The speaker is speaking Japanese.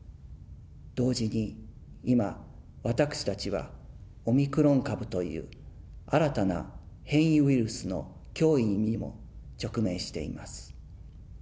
同時に、今、私たちはオミクロン株という新たな変異ウイルスの脅威にも直面しています。